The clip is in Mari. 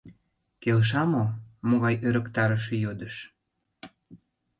— Келша мо... могай ӧрыктарыше йодыш!